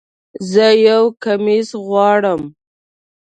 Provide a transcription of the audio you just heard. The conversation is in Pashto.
زه یو کمیس غواړم